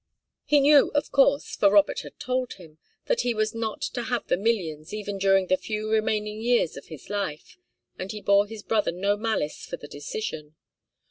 He knew, of course, for Robert had told him, that he was not to have the millions even during the few remaining years of his life, and he bore his brother no malice for the decision.